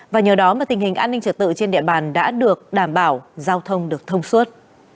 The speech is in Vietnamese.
và nhờ đó mà tình hình an ninh trật tự trên địa bàn đã được đảm bảo giao thông được thông suốt